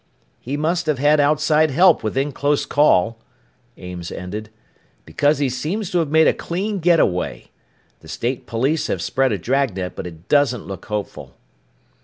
"He must have had outside help within close call," Ames ended, "because he seems to have made a clean getaway. The State Police have spread a dragnet, but it doesn't look hopeful."